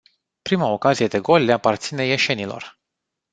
Prima ocazie de gol le aparține ieșenilor.